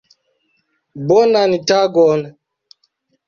Bonan tagon!